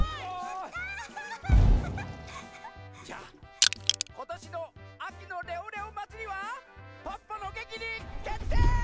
じゃあことしのあきのレオレオまつりはポッポのげきにけってい！